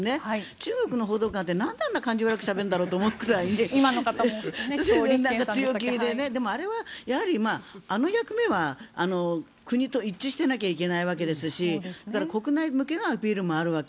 中国の報道官ってなんでこんなに感じ悪くしゃべるんだろうと思うくらいあれはあの役目は国と一致していなきゃいけないわけですし国内向けのアピールもあるわけ。